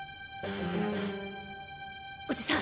おじさん！